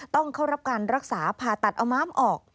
ต้องเข้ารับการรักษาผ่าตัดเอาม้ามออก